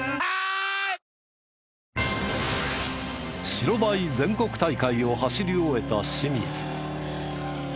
白バイ全国大会を走り終えた清水。